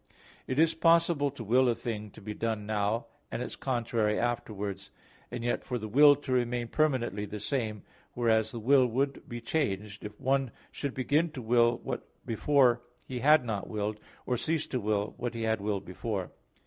It is possible to will a thing to be done now, and its contrary afterwards; and yet for the will to remain permanently the same: whereas the will would be changed, if one should begin to will what before he had not willed; or cease to will what he had willed before.